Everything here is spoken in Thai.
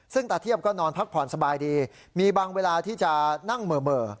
ซึ่งตาเทียบก็นอนพักผ่อนสบายดีมีบางเวลาที่จะนั่งเหม่อ